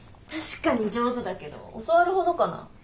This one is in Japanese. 確かに上手だけど教わるほどかな？